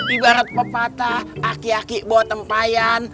ibarat pepatah aki aki bawa tempayan